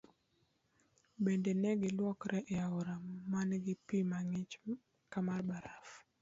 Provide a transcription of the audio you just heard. Bende negi luokore e aora man gi pii mang'ich ka mar baraf.